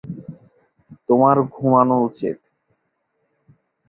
তোমার ঘুমানো উচিৎ।